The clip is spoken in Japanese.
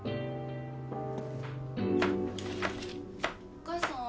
お母さん？